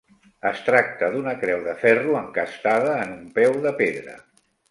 Es tracta d'una creu de ferro encastada en un peu de pedra.